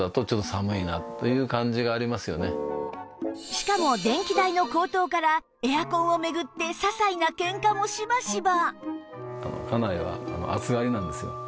しかも電気代の高騰からエアコンを巡ってささいなケンカもしばしば